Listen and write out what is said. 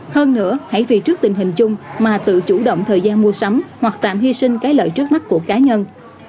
hơn nữa hãy vì trước tình hình chung mà tự chủ động thời gian mua sắm hoặc tạm hy sinh cái lợi trước mắt của cá nhân